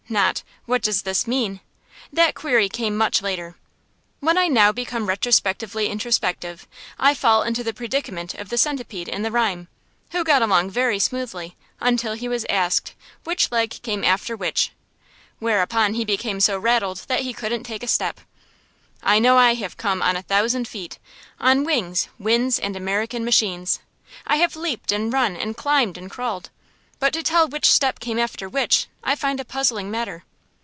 not, What does this mean? That query came much later. When I now become retrospectively introspective, I fall into the predicament of the centipede in the rhyme, who got along very smoothly until he was asked which leg came after which, whereupon he became so rattled that he couldn't take a step. I know I have come on a thousand feet, on wings, winds and American machines, I have leaped and run and climbed and crawled, but to tell which step came after which I find a puzzling matter.